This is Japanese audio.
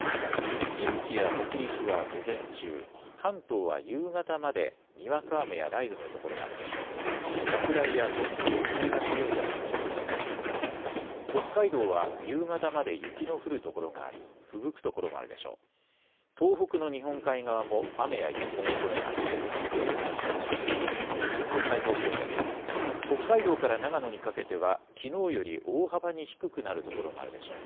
北海道は夕方まで雪の降る所があり、ふぶく所もあるでしょう。